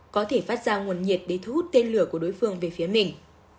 có thể phát ra nguồn nhiệt để thu hút tên lửa của đối phương về phía mình